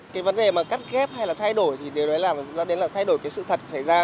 cái vấn đề mà cắt ghép hay là thay đổi thì điều đó là thay đổi sự thật xảy ra